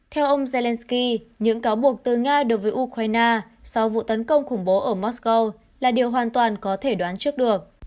theo ông zelensky những cáo buộc từ nga đối với ukraine sau vụ tấn công khủng bố ở mosco là điều hoàn toàn có thể đoán trước được